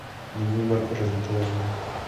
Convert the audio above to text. Ningún barco resultó dañado.